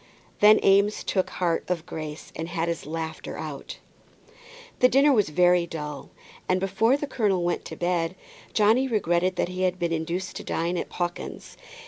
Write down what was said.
Then Eames took heart of grace and had his laughter out. The dinner was very dull, and before the colonel went to bed Johnny regretted that he had been induced to dine at Pawkins's.